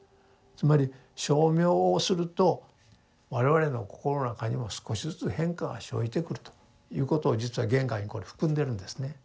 つまり称名をすると我々の心の中にも少しずつ変化が生じてくるということを実は言外にこれ含んでるんですね。